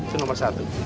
itu nomor satu